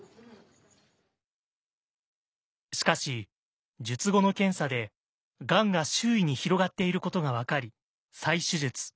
しかし術後の検査でがんが周囲に広がっていることが分かり再手術。